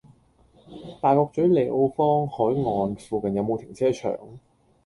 大角嘴利奧坊·凱岸附近有無停車場？